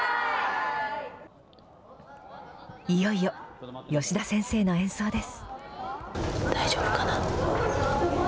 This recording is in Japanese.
いよいよ吉田先生の演奏です。